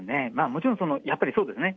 もちろんその、やっぱりそうですね。